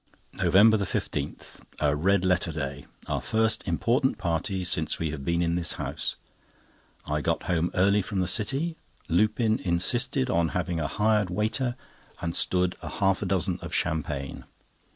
NOVEMBER 15.—A red letter day. Our first important party since we have been in this house. I got home early from the City. Lupin insisted on having a hired waiter, and stood a half dozen of champagne.